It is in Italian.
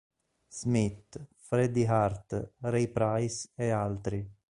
Smith, Freddie Hart, Ray Price e altri.